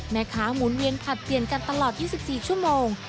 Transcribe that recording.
หมุนเวียนผลัดเปลี่ยนกันตลอด๒๔ชั่วโมง